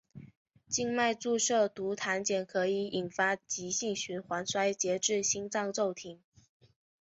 静脉注射毒蕈碱可以引发急性循环衰竭至心脏骤停。